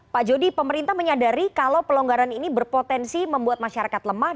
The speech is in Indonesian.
pak jody pemerintah menyadari kalau pelonggaran ini berpotensi membuat masyarakat lemah